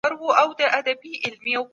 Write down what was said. سوسیالیستي مفکوره نن سبا کمزورې سوې ده.